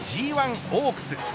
Ｇ１オークス。